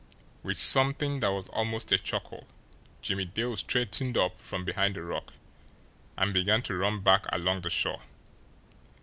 With something that was almost a chuckle, Jimmie Dale straightened up from behind the rock and began to run back along the shore.